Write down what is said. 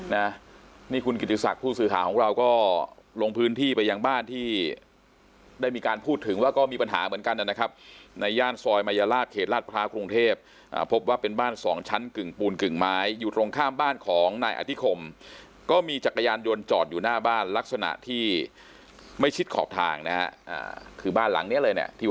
นะนี่คุณกิติศักรณ์ผู้สื่อขาของเราก็ลงพื้นที่